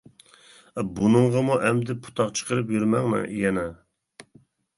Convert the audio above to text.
بۇنىڭغىمۇ ئەمدى پۇتاق چىقىرىپ يۈرمەڭ يەنە!